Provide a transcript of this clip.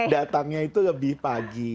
datangnya itu lebih pagi